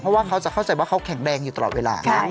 เพราะว่าเขาจะเข้าใจว่าเขาแข็งแรงอยู่ตลอดเวลา